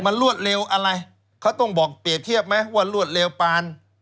มันรวดเร็วอะไรเขาต้องบอกเปรียบเทียบไหมว่ารวดเร็วปาน